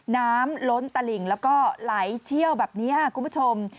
ล้นตลิ่งแล้วก็ไหลเชี่ยวแบบนี้คุณผู้ชม